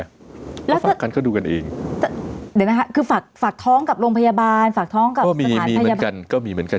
เดี๋ยวนะครับคือฝากท้องกับโรงพยาบาลฝากท้องกับสถานพยาบาลก็มีเหมือนกัน